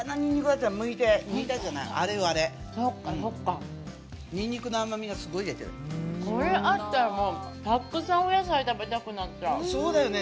あれニンニクの甘みがすごい出てるこれあったらたくさんお野菜食べたくなっちゃうそうだよね